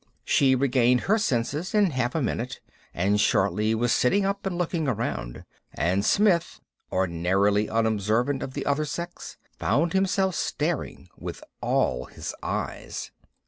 She regained her senses in half a minute, and shortly was sitting up and looking around. And Smith, ordinarily unobservant of the other sex, found himself staring with all his eyes.